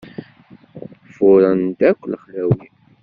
Furren-d akk lexlawi.